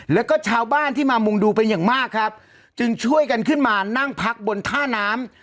แล้วก็ชาวบ้านที่มามุงดูเป็นอย่างมากครับจึงช่วยกันขึ้นมานั่งพักบนท่าน้ำ